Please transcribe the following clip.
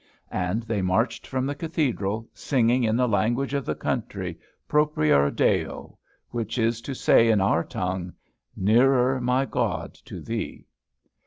And they marched from the Cathedral, singing in the language of the country, "Propior Deo," which is to say in our tongue, "Nearer, my God, to Thee."